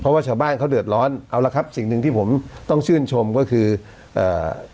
เพราะว่าชาวบ้านเขาเดือดร้อนเอาละครับสิ่งหนึ่งที่ผมต้องชื่นชมก็คือเอ่อ